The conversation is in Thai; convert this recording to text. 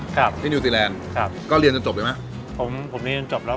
ครับที่นิวซีแลนด์ครับก็เรียนจนจบเลยไหมผมผมเรียนจบแล้ว